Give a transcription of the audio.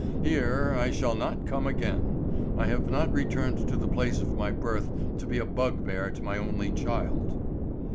Here I shall not come again. I have not returned to the place of my birth to be a bugbear to my only child."